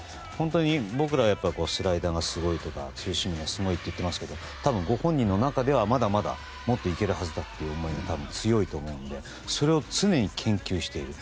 僕らがスライダーがすごいとかツーシームがすごいとか言ってますけど多分、ご本人の中ではまだまだもっといけるはずだっていう思いも強いと思うのでそれを常に研究している。